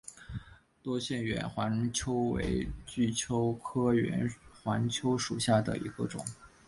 多腺远环蚓为巨蚓科远环蚓属下的一个种。